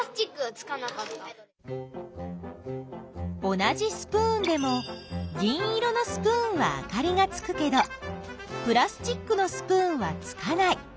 同じスプーンでも銀色のスプーンはあかりがつくけどプラスチックのスプーンはつかない。